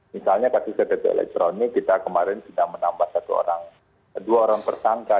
misalnya kasus ktp elektronik kita kemarin sudah menambah dua orang tersangka